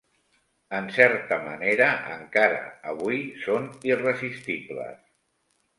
En certa manera, encara avui són irresistibles.